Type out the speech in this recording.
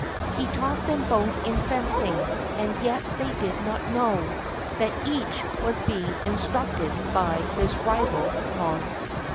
He taught them both in fencing, and yet they did not know, That each, was being instructed by his rival, Mons.